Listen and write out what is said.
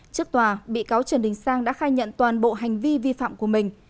trước tòa bị cáo trần đình sang đã khai nhận toàn bộ hành vi vi phạm của mình